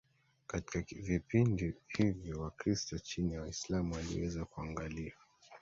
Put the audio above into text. Katika vipindi hivyo Wakristo chini ya Waislamu waliweza kuangaliwa